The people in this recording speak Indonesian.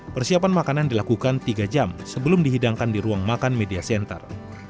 persiapan makanan dilakukan tiga jam sebelum dihidangkan di ruang makan media center